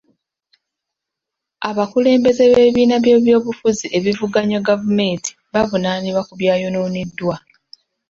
Abakulembeze b'ebibiina by'ebyobufuzi ebivuganya gavumenti bavunaanibwa ku byayonooneddwa.